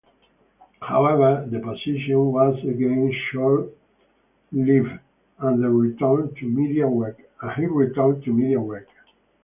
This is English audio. However, the position was again short-lived and he returned to media work.